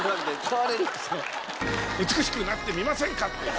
「美しくなってみませんか？」っていう。